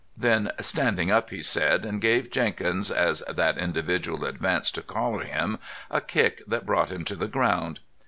Then, "Standing up," he said, and gave Jenkins, as that individual advanced to collar him, a kick that brought him to the ground.